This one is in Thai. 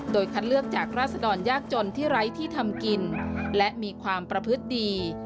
โดยคัดเลือกจากราศดรยากจนที่ไร้ที่ทำกินและมีความประพฤติดี